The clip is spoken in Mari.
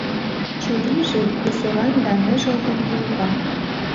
Чурийже веселан да ныжылгын йолга.